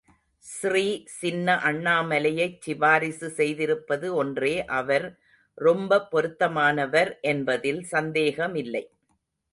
ஸ்ரீ சின்ன அண்ணாமலையைச் சிபாரிசு செய்திருப்பது ஒன்றே அவர் ரொம்ப பொருத்தமானவர் என்பதில் சந்தேகமில்லை.